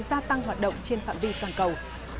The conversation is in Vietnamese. gia tăng hoạt động trên phạm vi toàn cầu